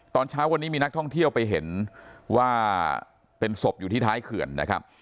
ตอนเช้าวันนี้มีนักท่องเที่ยวไปเห็นว่าเป็นศพอยู่ที่ท้ายเขื่อนนะครับ